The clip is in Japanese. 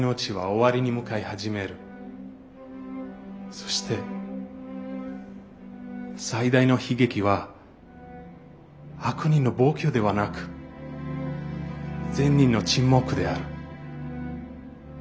そして「最大の悲劇は悪人の暴挙ではなく善人の沈黙である」。